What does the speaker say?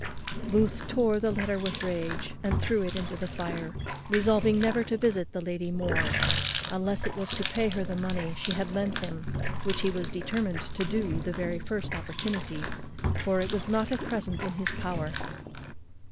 Booth tore the letter with rage, and threw it into the fire, resolving never to visit the lady more, unless it was to pay her the money she had lent him, which he was determined to do the very first opportunity, for it was not at present in his power.